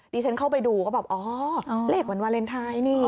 ฉันเข้าไปดูก็แบบอ๋อเลขวันวาเลนไทยนี่